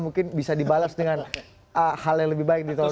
mungkin bisa dibalas dengan hal yang lebih baik di tahun dua ribu sembilan